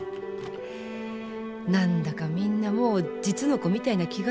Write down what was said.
何だかみんなもう実の子みたいな気がするよ。